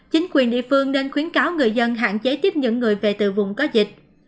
chính quyền địa phương nên khuyến cáo người dân hạn chế tiếp những người về từ vùng có dịch